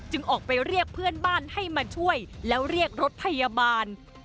ออกไปเรียกเพื่อนบ้านให้มาช่วยแล้วเรียกรถพยาบาล